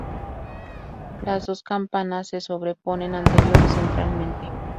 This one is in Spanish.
Las dos campanas se sobreponen anterior y centralmente.